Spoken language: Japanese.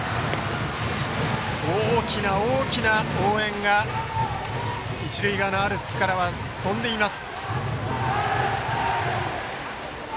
大きな大きな応援が一塁側のアルプスからは飛んでいます。